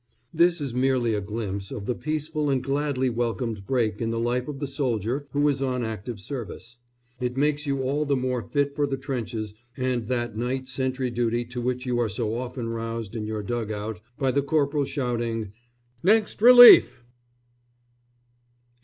This is merely a glimpse of the peaceful and gladly welcomed break in the life of the soldier who is on active service. It makes you all the more fit for the trenches and that night sentry duty to which you are so often roused in your dug out by the corporal shouting, "Next relief!"